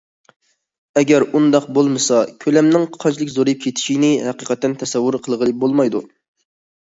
ئەگەر ئۇنداق بولمىسا، كۆلەمنىڭ قانچىلىك زورىيىپ كېتىشىنى ھەقىقەتەن تەسەۋۋۇر قىلغىلى بولمايدۇ.